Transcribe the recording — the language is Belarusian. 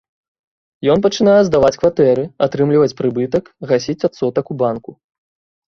Ён пачынае здаваць кватэры, атрымліваць прыбытак, гасіць адсотак у банку.